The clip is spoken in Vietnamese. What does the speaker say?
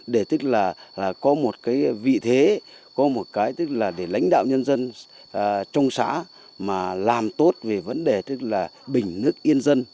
để tức là có một cái vị thế có một cái tức là để lãnh đạo nhân dân trong xã mà làm tốt về vấn đề tức là bình nước yên dân